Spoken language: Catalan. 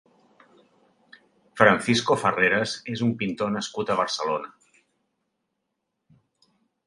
Francisco Farreras és un pintor nascut a Barcelona.